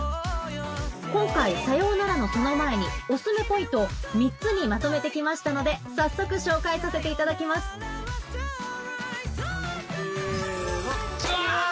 今回『サヨウナラのその前に』おすすめポイントを３つにまとめて来ましたので早速紹介させていただきますせの。